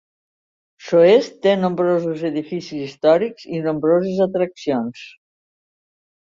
Soest té nombrosos edificis històrics i nombroses atraccions.